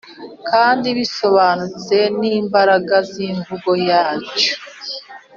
kandi bisobanutse n'imbaraga z'imvugo yacyo.